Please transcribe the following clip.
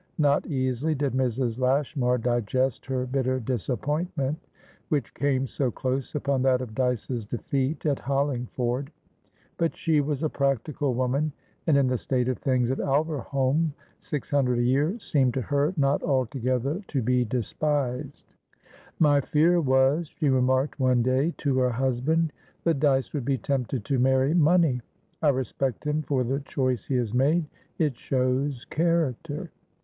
Not easily did Mrs. Lashmar digest her bitter disappointment, which came so close upon that of Dyce's defeat at Hollingford; but she was a practical woman, and, in the state of things at Alverholme, six hundred a year seemed to her not altogether to be despised. "My fear was," she remarked one day to her husband, "that Dyce would be tempted to marry money. I respect him for the choice he has made; it shows character."